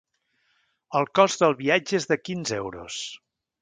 El cost del viatge és de quinze euros.